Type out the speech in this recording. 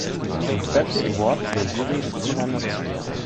Den Special Award der Jury des Int.